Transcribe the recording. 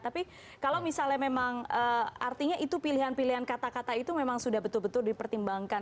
tapi kalau misalnya memang artinya itu pilihan pilihan kata kata itu memang sudah betul betul dipertimbangkan